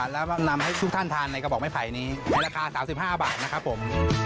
แล้วนำให้ทุกท่านทานในกระบอกไม้ไผ่นี้ในราคา๓๕บาทนะครับผม